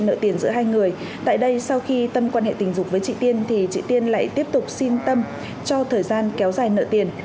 nợ tiền giữa hai người tại đây sau khi tâm quan hệ tình dục với chị tiên thì chị tiên lại tiếp tục xin tâm cho thời gian kéo dài nợ tiền